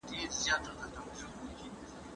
هلاکت د طعنه ورکوونکو لپاره دی.